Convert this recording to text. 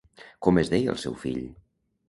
Com es deia el seu fill?